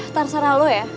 terserah lu ya